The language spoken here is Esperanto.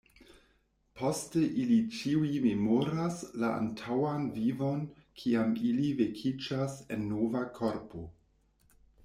Poste ili ĉiuj memoras la antaŭan vivon kiam ili vekiĝas en nova korpo.